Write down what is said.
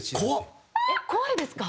えっ怖いですか？